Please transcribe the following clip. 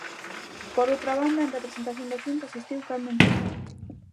Por outra banda, en representación da Xunta asistiu Carmen Pita.